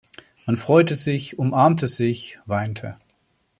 Man freute sich, umarmte sich, weinte.